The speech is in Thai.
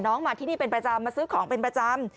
มาที่นี่เป็นประจำมาซื้อของเป็นประจำ